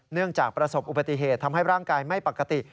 เนื่องจากประสบอุบัติเหตุทำให้ร่างกายไม่ปกติ